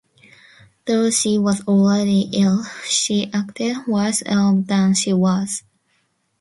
Though she was already ill, she acted worse off than she was.